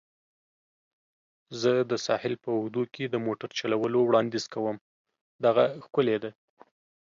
زه د ساحل په اوږدو کې د موټر چلولو وړاندیز کوم. دغه ښکلې ده.